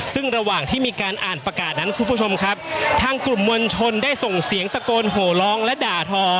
ซึ่งระหว่างที่มีการอ่านประกาศนั้นคุณผู้ชมครับทางกลุ่มมวลชนได้ส่งเสียงตะโกนโหร้องและด่าทอ